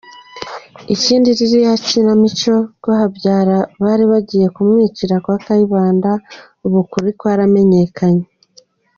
Ikindi liliya kinamico ko Habyara bali bagiye kumwicira kwa Kayibanda, ubu ukuli kwaramenyekanye.